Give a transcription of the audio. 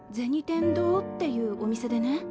天堂っていうお店でね